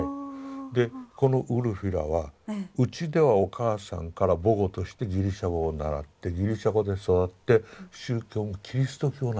でこのウルフィラはうちではお母さんから母語としてギリシャ語を習ってギリシャ語で育って宗教もキリスト教なんです。